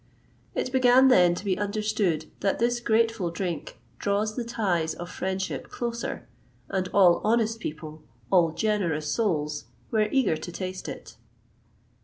It began then to be understood that this grateful drink draws the ties of friendship closer,[XXVIII 142] and all honest people, all generous souls, were eager to taste it.